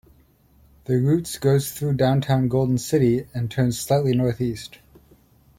The routes goes through downtown Golden City, and turn slightly northeast.